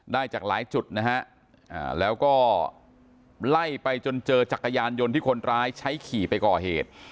ได้จากหลายจุดนะฮะแล้วก็ไล่ไปจนเจอจักรยานยนต์ที่คนร้ายใช้ขี่ไปก่อเหตุ